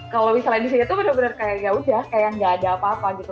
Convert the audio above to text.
kalau misalnya di sini tuh benar benar kayak yaudah kayak nggak ada apa apa gitu